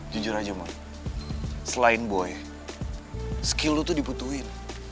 jujur aja man selain boy skill lo tuh diputuin